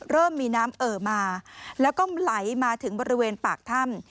เริ่มมีน้ำเอ่อมาแล้วก็ไหลมาถึงบริเวณปากถ้ำ